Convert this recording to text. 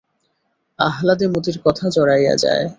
আহ্লাদে মতির কথা জড়াইয়া যায়।